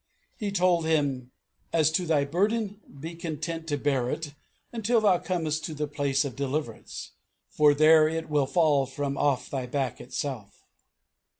He told him, 'As to thy burden, be content to bear it until thou comest to the place of deliverance, for there it will fall from off thy back itself.'